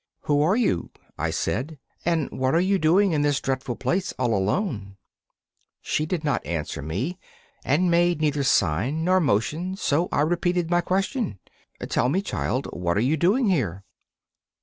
'Who are you?' I said, 'and what are you doing in this dreadful place all alone?' She did not answer me, and made neither sign nor motion; so I repeated my question: 'Tell me, child, what are you doing here?